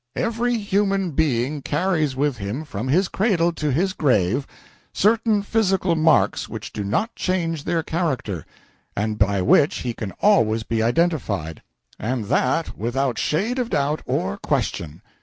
Every human being carries with him from his cradle to his grave certain physical marks which do not change their character, and by which he can always be identified and that without shade of doubt or question.